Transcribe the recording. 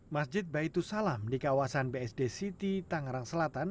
masjid baitul salam di kawasan bsd city tangerang selatan